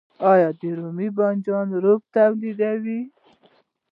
آیا د رومي بانجان رب تولیدوو؟